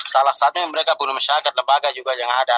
salah satunya mereka bunuh masyarakat lembaga juga yang ada